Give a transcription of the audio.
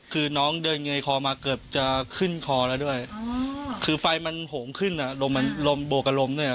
คือน้องเดินเงยคอมาเกือบจะขึ้นคอแล้วด้วยคือไฟมันโหมขึ้นอ่ะลมมันลมบวกกับลมด้วย